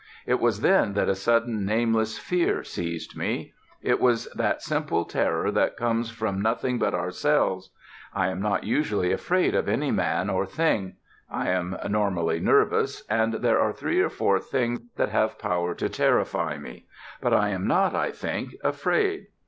It was then that a sudden nameless fear seized me; it was that simple terror that comes from nothing but ourselves. I am not usually afraid of any man or thing. I am normally nervous, and there are three or four things that have power to terrify me. But I am not, I think, afraid.